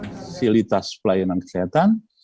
fasilitas pelayanan kesehatan untuk anak dan balita